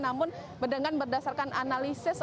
namun dengan berdasarkan analisis